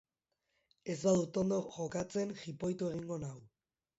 Ez badut ondo jokatzen, jipoitu egingo nau.